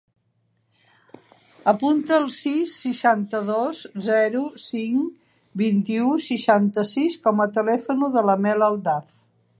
Apunta el sis, seixanta-dos, zero, cinc, vint-i-u, seixanta-sis com a telèfon de la Mel Aldaz.